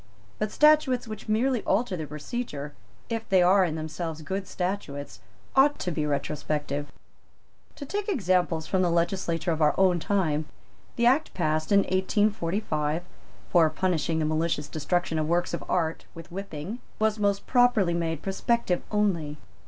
But statutes which merely alter the procedure, if they are in themselves good statutes, ought to be retrospective. To take examples from the legislation of our own time, the Act passed in 1845, for punishing the malicious destruction of works of art with whipping, was most properly made prospective only.